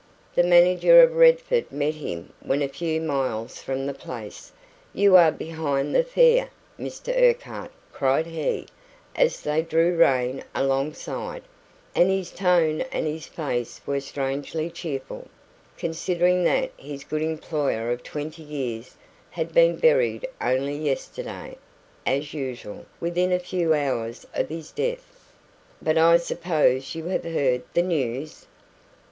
The manager of Redford met him when a few miles from the place. "You are behind the fair, Mr Urquhart," cried he, as they drew rein alongside; and his tone and his face were strangely cheerful, considering that his good employer of twenty years had been buried only yesterday as usual, within a few hours of his death. "But I suppose you have heard the news.